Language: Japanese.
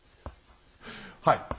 はい